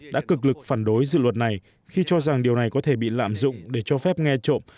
đã cực lực phản đối dự luật này khi cho rằng điều này có thể bị lạm dụng để cho phép nghe trộm